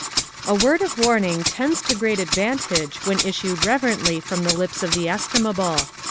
A word of warning tends to great advantage when issued reverently from the lips of the estimable.